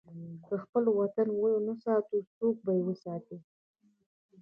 که خپل وطن ونه ساتو، څوک به یې وساتي؟